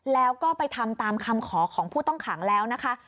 แล้วก็ไปทำตามคำขอของผู้ต้องขังแล้วนะคะ